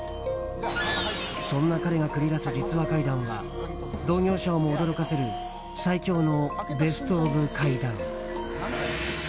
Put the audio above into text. そんな彼が繰り出す実話怪談は同業者をも驚かせる最恐のベストオブ怪談。